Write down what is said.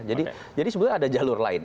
jadi sebenarnya ada jalur lain